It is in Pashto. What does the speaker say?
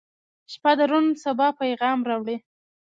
• شپه د روڼ سبا پیغام راوړي.